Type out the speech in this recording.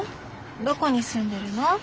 どこに住んでるの？